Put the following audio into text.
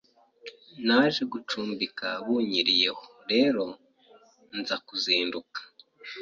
Naje gucumbika bunyiriyeho rero nza kuzinduka